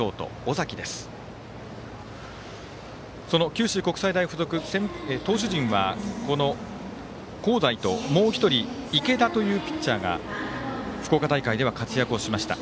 九州国際大付属、投手陣はこの香西と、もう１人池田というピッチャーが福岡大会では活躍しました。